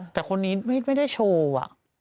แต่คนนี้ไม่ได้โชว์อะ